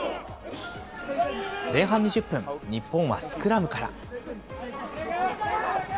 前半２０分、日本はスクラムから。